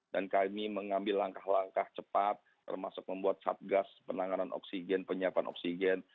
dan kami mengambil langkah langkah cepat termasuk membuat satgas penanganan oksigen penyiapan oksigen